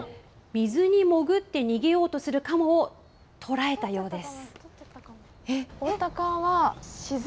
水に潜って逃げようとするカモを捕らえたようです。